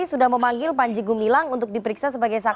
selamat sore bang iksan